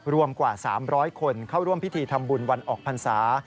รวมกว่า๓๐๐คนเข้าร่วมพิธีทำบุญวันออกพรรษา